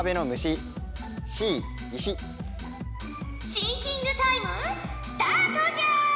シンキングタイムスタートじゃ！